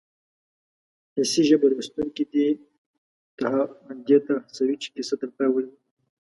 حسي ژبه لوستونکی دې ته هڅوي چې کیسه تر پایه ولولي